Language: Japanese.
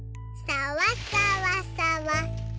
さわさわさわ。